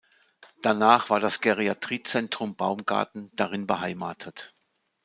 Danach war das Geriatriezentrum Baumgarten darin beheimatet.